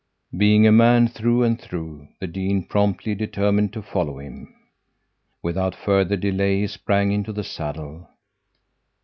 Being a man through and through, the dean promptly determined to follow him. Without further delay he sprang into the saddle.